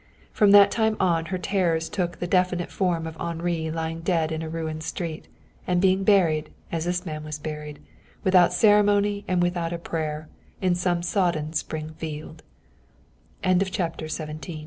From that time on her terrors took the definite form of Henri lying dead in a ruined street, and being buried, as this man was buried, without ceremony and without a prayer, in some sodden